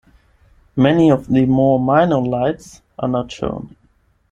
Many of the more minor lights are not shown.